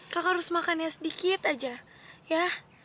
kamu harus makannya sedikit aja ya